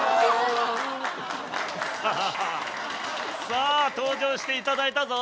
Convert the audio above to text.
さあさあ登場していただいたぞ。